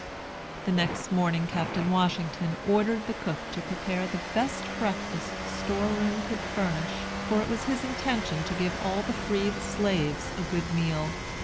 The next morning Captain Washington ordered the cook to prepare the best breakfast the store room could furnish, for it was his intention to give all the freed slaves a good meal.